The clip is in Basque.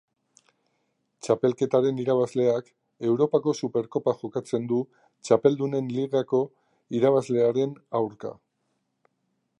Txapelketaren irabazleak Europako Superkopa jokatzen du Txapeldunen Ligako irabazlearen aurka.